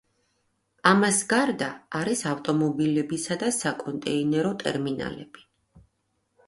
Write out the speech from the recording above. ამას გარდა, არის ავტომობილებისა და საკონტეინერო ტერმინალები.